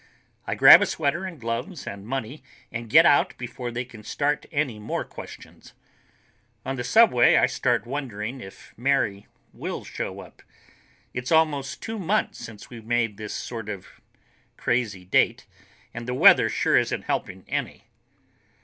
I grab a sweater and gloves and money and get out before they can start anymore questions. On the subway I start wondering if Mary will show up. It's almost two months since we made this sort of crazy date, and the weather sure isn't helping any.